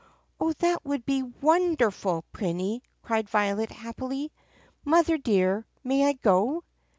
"Oh, that would be wonderful, Prinny!" cried Violet happily. "Mother dear, may I go?"